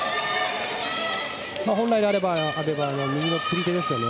本来であれば阿部は右の釣り手ですよね。